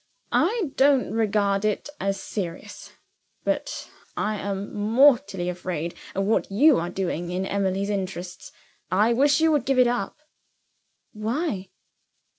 I don't regard it as serious. But I am mortally afraid of what you are doing in Emily's interests. I wish you would give it up." "Why?"